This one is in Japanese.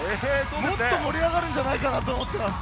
もっと盛り上がるんじゃないかなと思っています。